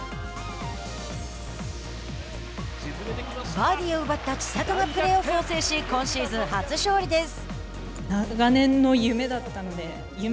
バーディーを奪った千怜がプレーオフを制し今シーズン初勝利です。